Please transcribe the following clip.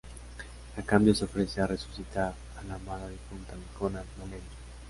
A cambio se ofrece a resucitar a la amada difunta de Conan, Valeria.